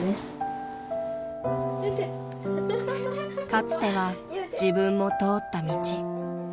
［かつては自分も通った道］